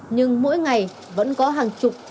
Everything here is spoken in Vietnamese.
nhưng mỗi ngày vẫn có hàng chục